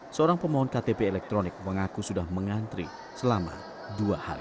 seorang pemohon ktp elektronik mengaku sudah mengantri selama dua hari